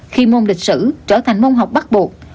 khi môn lịch sử trở thành môn học bắt buộc